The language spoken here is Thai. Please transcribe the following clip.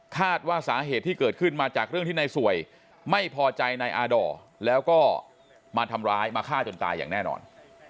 ว่าสาเหตุที่เกิดขึ้นมาจากเรื่องที่นายสวยไม่พอใจนายอาดอร์แล้วก็มาทำร้ายมาฆ่าจนตายอย่างแน่นอน